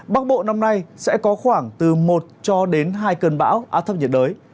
bắc bộ năm nay sẽ có khoảng từ một cho đến hai cơn bão á thấp nhiệt đới